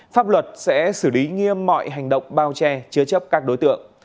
pháp luật sẽ xử lý nghiêm mọi hành động bao che chứa chấp các đối tượng